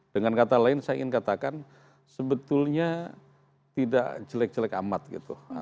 dengan kata lain saya ingin katakan sebetulnya tidak jelek jelek amat gitu